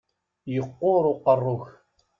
Yeqqur uqerru-k!